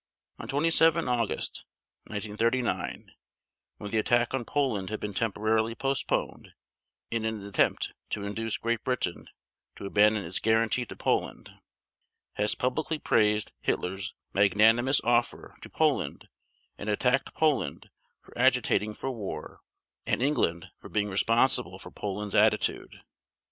On 27 August 1939 when the attack on Poland had been temporarily postponed in an attempt to induce Great Britain to abandon its guarantee to Poland, Hess publicly praised Hitler's "magnanimous offer" to Poland, and attacked Poland for agitating for war and England for being responsible for Poland's attitude.